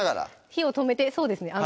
火を止めてそうですね